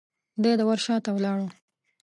دی د ور شاته ولاړ و.